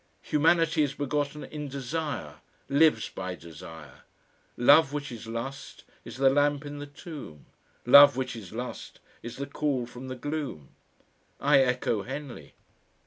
Humanity is begotten in Desire, lives by Desire. "Love which is lust, is the Lamp in the Tomb; Love which is lust, is the Call from the Gloom." I echo Henley.